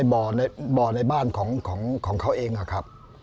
จากในบ่อในบ้านของเขาเองครับ